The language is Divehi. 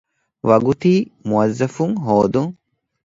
ވަގުތީ މުވައްޒަފުން ހޯދުން